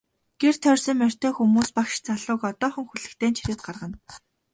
Гэр тойрсон морьтой хүмүүс багш залууг одоохон хүлэгтэй нь чирээд гаргана.